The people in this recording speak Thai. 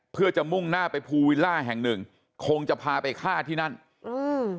เพื่อจะมุ่งหน้าไปภูวิลล่าแห่งหนึ่งคงจะพาไปฆ่าที่นั่นอืม